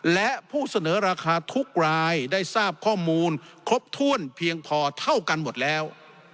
และผู้เสนอราคาทุกรายได้ทราบข้อมูลครบถ้วนเพียงพอเท่ากันหมดแล้ว